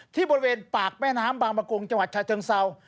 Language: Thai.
ที่บริเวณปากแม่น้ำบางประกงจังหวัดชาเชิงเศร้า